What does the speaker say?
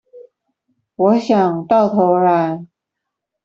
我想，到頭來